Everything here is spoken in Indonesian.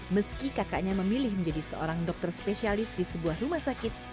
meski kakaknya memilih menjadi seorang dokter spesialis di sebuah rumah sakit